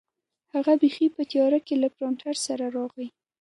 هغه بیخي په تیاره کې له پرنټر سره راغی.